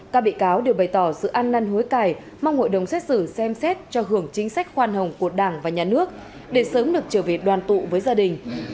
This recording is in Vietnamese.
các bị cáo đều bày tỏ sự ăn năn hối cải mong hội đồng xét xử xem xét cho hưởng chính sách khoan hồng của đảng và nhà nước để sớm được trở về đoàn tụ với gia đình